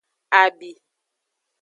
Abi.